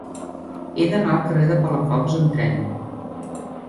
He d'anar al carrer de Palafox amb tren.